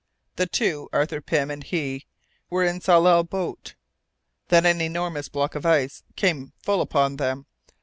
The two, Arthur Pym and he, were in the Tsalal boat. Then an enormous block of ice came full upon them.